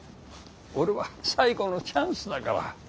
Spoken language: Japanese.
俺は最後のチャンスだから。